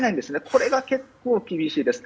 これが結構、厳しいです。